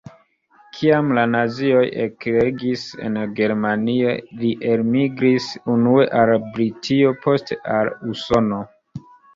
Kiam la nazioj ekregis en Germanio, li elmigris unue al Britio, poste al Usono.